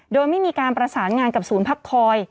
โดยไม่มีการประสานงานกับศูนย์พักคอย